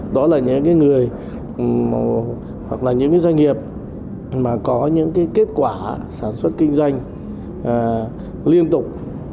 đó là những doanh nghiệp có những kết quả sản xuất kinh doanh liên tục